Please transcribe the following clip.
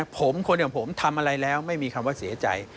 ผมคนอย่างผมทำอะไรแล้วไม่มีคำว่าเสียใจ